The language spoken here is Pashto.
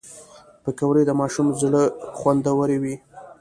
پکورې د ماشوم زړه خوندوروي